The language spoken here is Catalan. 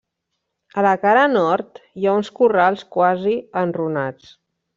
A la cara nord, hi ha uns corrals quasi enrunats.